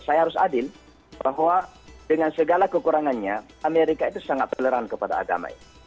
saya harus adil bahwa dengan segala kekurangannya amerika itu sangat toleran kepada agama ini